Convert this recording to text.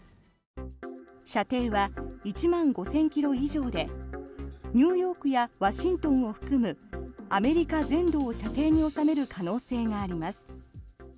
射程は１万５０００ｋｍ以上でニューヨークやワシントンを含むアメリカ全土を射程に収める可能性があります。